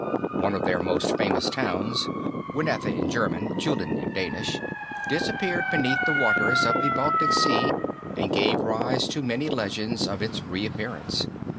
One of their most famous towns, Winetha in German, Julin in Danish, disappeared beneath the waters of the Baltic Sea and gave rise to many legends of its reappearance.